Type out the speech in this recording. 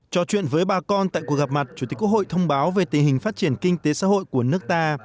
trò chuyện với bà con tại cuộc gặp mặt chủ tịch quốc hội thông báo về tình hình phát triển kinh tế xã hội của nước ta